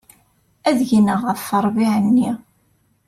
Ad gneɣ ɣef ṛṛbiɣ-nni.